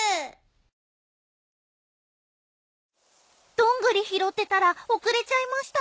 どんぐり拾ってたら遅れちゃいました！